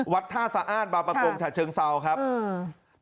ท่าสะอ้านบางประกงฉะเชิงเซาครับอืม